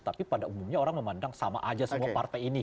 tapi pada umumnya orang memandang sama aja semua partai ini